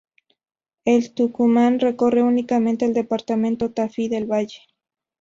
En Tucumán recorre únicamente el Departamento Tafí del Valle.